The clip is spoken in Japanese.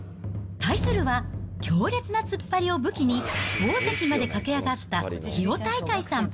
対するは強烈な突っ張りを武器に大関まで駆け上がった千代大海さん。